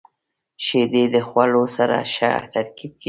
• شیدې د خوړو سره ښه ترکیب کیږي.